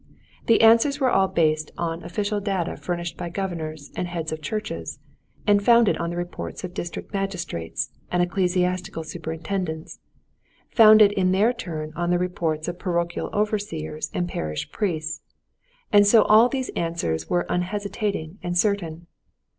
The answers were all based on official data furnished by governors and heads of churches, and founded on the reports of district magistrates and ecclesiastical superintendents, founded in their turn on the reports of parochial overseers and parish priests; and so all of these answers were unhesitating and certain.